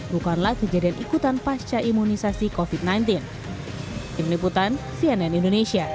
bukanlah kejadian ikutan pasca imunisasi covid sembilan belas